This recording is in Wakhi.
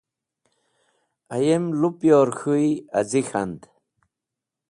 Ayem lupyor k̃hũy az̃i k̃hand.